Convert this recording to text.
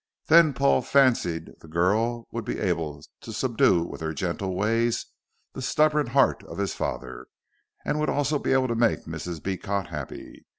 Then Paul fancied the girl would be able to subdue with her gentle ways the stubborn heart of his father, and would also be able to make Mrs. Beecot happy.